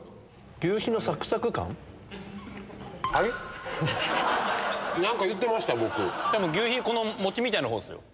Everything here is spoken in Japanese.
求肥この餅みたいなほうっすよ。